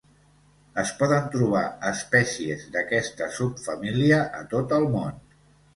Es poden trobar espècies d'aquesta subfamília a tot el món.